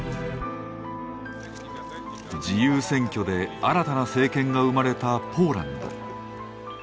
自由選挙で新たな政権が生まれたポーランド。